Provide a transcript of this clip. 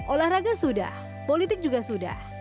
olahraga sudah politik juga sudah